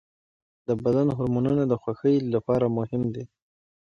د بدن هورمونونه د خوښۍ لپاره مهم دي.